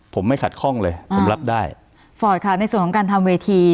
ผมไม่ขัดข้องเลยผมรับได้ฟอร์ตค่ะในส่วนของการทำเวที